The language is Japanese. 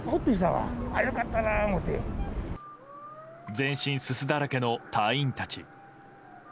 全身すすだらけの隊員たち。